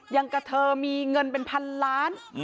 อย่างกับเธอมีเงินเป็นพันล้าน